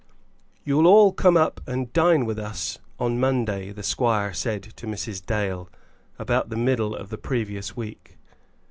"You'll all come up and dine with us on Monday," the squire said to Mrs. Dale, about the middle of the previous week.